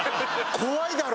怖いだろ？